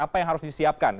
apa yang harus disiapkan